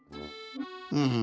うん。